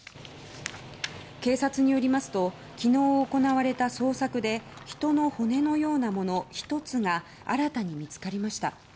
警察によりますと昨日行われた捜索で人の骨のようなもの１つが新たに見つかりました。